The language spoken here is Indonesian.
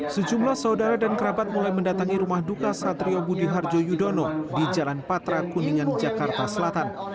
sejumlah saudara dan kerabat mulai mendatangi rumah duka satrio budi harjo yudono di jalan patra kuningan jakarta selatan